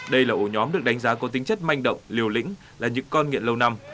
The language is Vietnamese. đây là ổ nhóm được đánh giá có tính chất manh động liều lĩnh là những con nghiện lâu năm